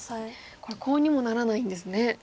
これコウにもならないんですね。